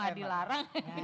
kalau gak dilarang